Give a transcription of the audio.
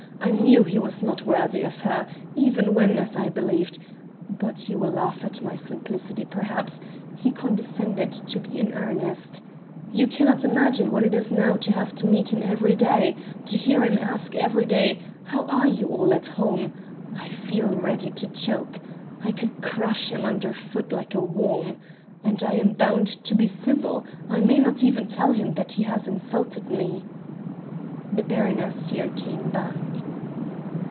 I knew he was not worthy of her, even when, as I believed but you will laugh at my simplicity perhaps he condescended to be in earnest. You cannot imagine what it is now to have to meet him every day, to hear him ask every day: 'how are you all at home?' I feel ready to choke ... I could crush him under foot like a worm!... and I am bound to be civil. I may not even tell him that he has insulted me." The baroness here came back.